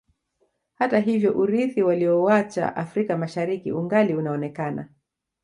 Hata hivyo urithi waliouacha Afrika Mashariki ungali unaonekana